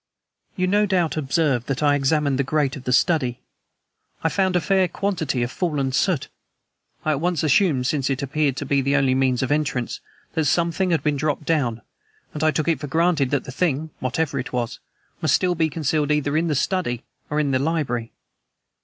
"You no doubt observed that I examined the grate of the study. I found a fair quantity of fallen soot. I at once assumed, since it appeared to be the only means of entrance, that something has been dropped down; and I took it for granted that the thing, whatever it was, must still be concealed either in the study or in the library.